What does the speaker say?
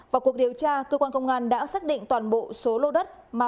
vào cuộc điều tra tqcn đã xác định toàn bộ số lô đất